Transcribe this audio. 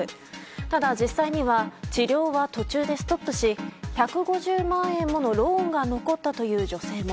ただ、実際には治療は途中でストップし１５０万円ものローンが残ったという女性も。